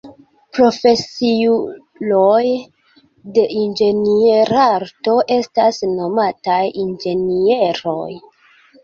Profesiuloj de inĝenierarto estas nomataj inĝenieroj.